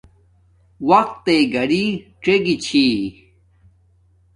وقتݵ گھڑی څیگی چھی